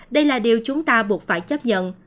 đây là điều chúng ta buộc phải chấp nhận